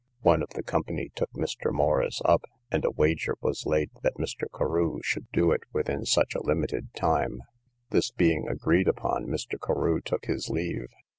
One of the company took Mr. Morrice up, and a wager was laid that Mr. Carew should do it within such a limited time; this being agreed upon, Mr. Carew took his leave.